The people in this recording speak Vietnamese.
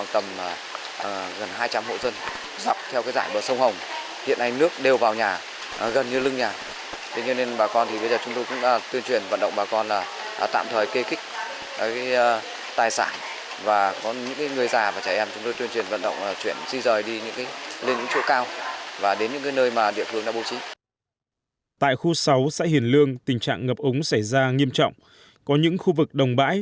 tại khu sáu xã hiền lương tình trạng ngập úng xảy ra nghiêm trọng có những khu vực đồng bãi